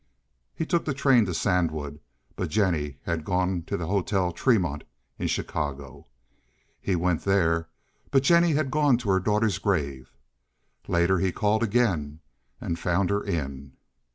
He took the train to Sandwood, but Jennie had gone to the Hotel Tremont in Chicago. He went there, but Jennie had gone to her daughter's grave; later he called again and found her in.